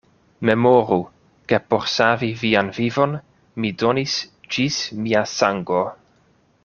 Memoru, ke por savi vian vivon, mi donis ĝis mia sango.